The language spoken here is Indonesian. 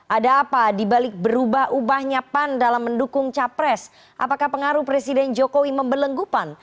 ada apa dibalik berubah ubahnya pan dalam mendukung capres apakah pengaruh presiden jokowi membelenggupan